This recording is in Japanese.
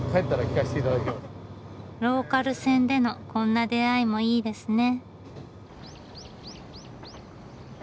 ローカル線でのこんな出会いもいいですね。